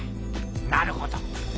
なるほど。